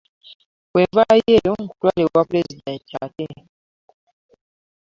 Bwe nvaayo eyo nkutwale ewa pulezidenti ate.